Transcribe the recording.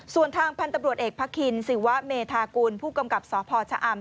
ส่วนทางพันธุ์ตำรวจเอกพระคินศิวะเมธากุลผู้กำกับสพชะอำ